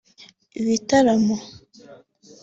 ibitaramo